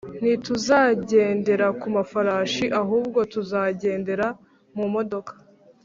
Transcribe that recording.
Ntituzagendera ku mafarashi ahubwo tuzagendera mumodoka